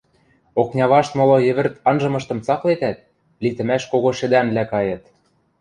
Окня вашт моло йӹвӹрт анжымыштым цаклетӓт, литӹмӓш кого шӹдӓнлӓ кайыт.